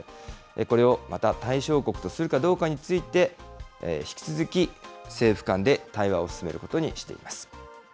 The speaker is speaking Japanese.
これをまた対象国とするかどうかについて、引き続き政府間で対話を進めることにしています。